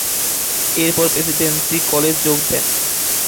এর পর প্রেসিডেন্সি কলেজে যোগ দেন।